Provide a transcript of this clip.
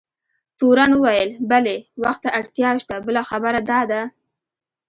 تورن وویل: بلي، وخت ته اړتیا شته، بله خبره دا ده.